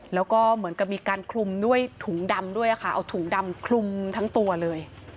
แล้วก็เหมือนกับมีการคลุมด้วยถุงดำด้วยค่ะเอาถุงดำคลุมทั้งตัวเลย